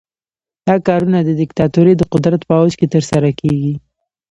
دا کارونه د دیکتاتورۍ د قدرت په اوج کې ترسره کیږي.